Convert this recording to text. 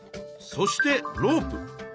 そしてロープ。